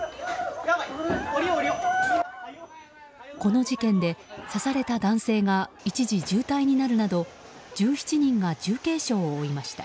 この事件で、刺された男性が一時重体になるなど１７人が重軽傷を負いました。